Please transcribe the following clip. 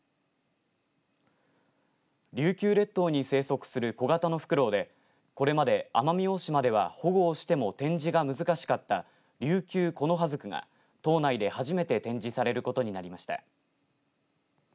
琉球列島に生息する小型のふくろうでこれまで奄美大島では保護をしても展示が難しかったリュウキュウコノハズクが島内で初めて展示されることになりました。